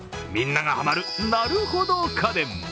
みんながハマる、なるほど家電。